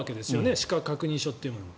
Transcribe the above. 資格確認書というものが。